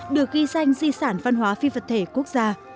được ghi danh di sản văn hóa phi vật thể quốc gia